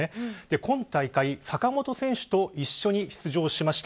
今大会、坂本選手と一緒に出場しました。